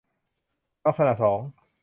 ลักษณะสอง